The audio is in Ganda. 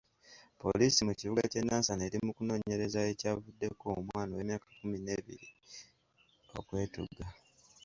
Poliisi mu kibuga ky'e Nansana eri mu kunoonyereza ekyavuddeko omwana emyaka ekkumi n'ebiri okwetuga.